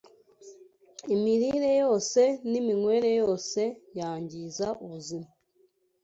imirire yose n’iminywere yose yangiza ubuzima.